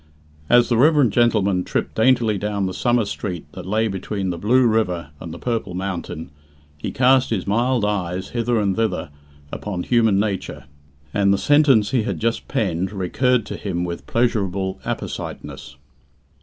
As the reverend gentleman tripped daintily down the summer street that lay between the blue river and the purple mountain, he cast his mild eyes hither and thither upon human nature, and the sentence he had just penned recurred to him with pleasurable appositeness.